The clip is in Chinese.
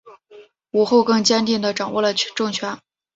武后更坚定地掌握了政权。